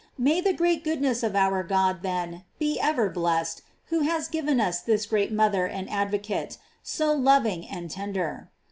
May the great goodness of our God, then, be ever blessed, who has given us this great mother and advocate, so loving and tender.